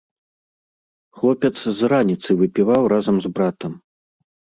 Хлопец з раніцы выпіваў разам з братам.